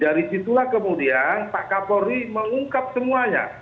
dari situlah kemudian pak kaporri mengungkap kasus ini